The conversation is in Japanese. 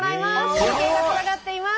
中継がつながっています。